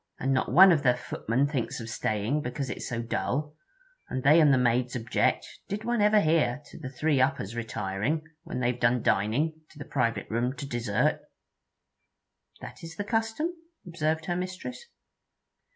And not one of the footmen thinks of staying, because it 's so dull; and they and the maids object did one ever hear? to the three uppers retiring, when they 've done dining, to the private room to dessert.' 'That is the custom?' observed her mistress.